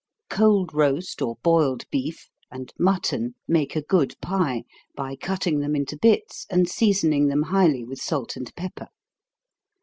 Cold roast, or boiled beef, and mutton, make a good pie, by cutting them into bits, and seasoning them highly with salt and pepper.